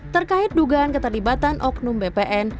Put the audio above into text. terkait dugaan keterlibatan oknum bpn